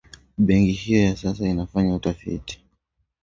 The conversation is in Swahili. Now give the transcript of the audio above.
Benki hiyo kwa sasa inafanya utafiti